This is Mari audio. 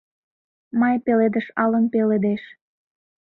Май пеледыш алын пеледеш.